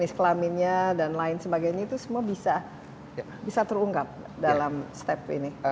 jadi kelaminnya dan lain sebagainya itu semua bisa terungkap dalam step ini